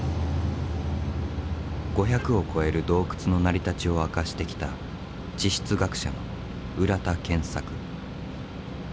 ５００を超える洞窟の成り立ちを明かしてきた地質学者の浦田健作。